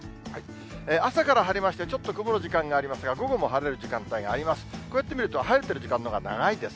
朝から晴れまして、ちょっと雲る時間がありますが、午後も晴れる時間があります。